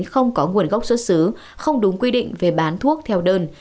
không có nguồn gốc xuất xứ không đúng quy định về bán thuốc theo đơn